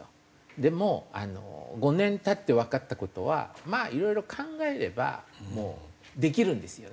でも５年経ってわかった事はまあいろいろ考えればもうできるんですよね。